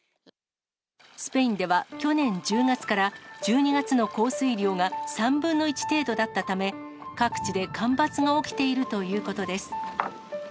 スペインでは去年１０月から、１２月の降水量が３分の１程度だったため、各地で干ばつが起きているということです。